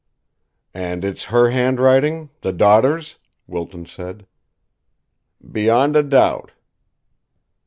"And it's her handwriting, the daughter's?" Wilton said. "Beyond a doubt."